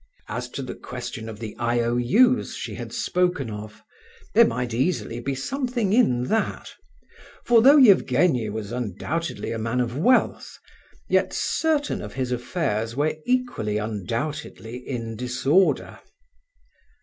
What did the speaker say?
As to the question of the IOU's she had spoken of, there might easily be something in that; for though Evgenie was undoubtedly a man of wealth, yet certain of his affairs were equally undoubtedly in disorder.